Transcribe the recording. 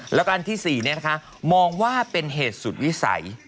แล้วก็อันที่๔มองว่าเป็นเหตุสุดวิสัย